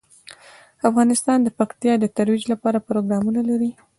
افغانستان د پکتیا د ترویج لپاره پروګرامونه لري.